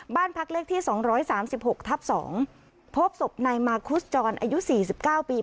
บ้านพักเลขที่สองร้อยสามสิบหกทับสองพบศพในมาร์คุสจอร์นอายุสี่สิบเก้าปี